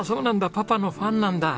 パパのファンなんだ。